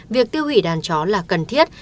việc tiêu hủy đàn chó là cần thiết